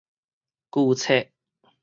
舊冊